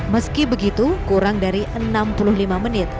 meski begitu kurang dari enam puluh lima menit